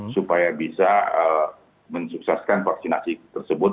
supaya bisa mensukseskan vaksinasi tersebut